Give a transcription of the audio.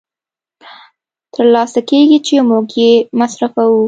تر لاسه کېږي چې موږ یې مصرفوو